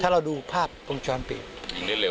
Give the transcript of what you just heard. ถ้าเราดูภาพกลุ่มชวนเปลี่ยน